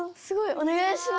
おねがいします。